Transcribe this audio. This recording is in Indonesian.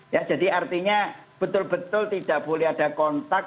ya jadi artinya betul betul tidak boleh ada kontak